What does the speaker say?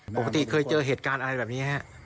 ปกติเคยเจอเหตุการณ์อะไรแบบนี้ฮะ